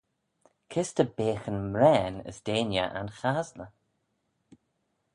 Kys ta beaghyn mraane as deiney anchasley?